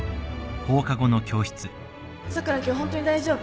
今日ホントに大丈夫？